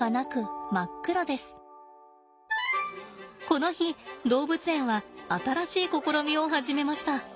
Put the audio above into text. この日動物園は新しい試みを始めました。